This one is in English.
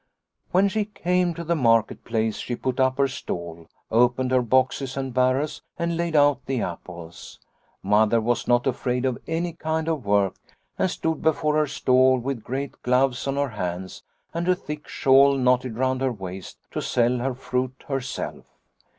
" When she came to the market place she put up her stall, opened her boxes and barrels and laid out the apples. Mother was not afraid of any kind of work and stood before her stall with great gloves on her hands and a thick shawl knotted round her waist to sell her fruit 74 Liliecrona's Home herself.